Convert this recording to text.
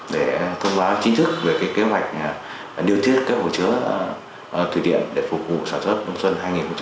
để thông báo chính thức về kế hoạch điều tiết hỗ trợ thủy điện để phục vụ sản xuất đông xuân hai nghìn một mươi tám hai nghìn một mươi chín